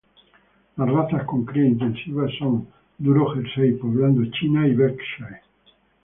Las razas con cría intensiva son Duro Jersey, Poblando China y Berkshire.